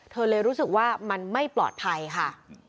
เลยรู้สึกว่ามันไม่ปลอดภัยค่ะ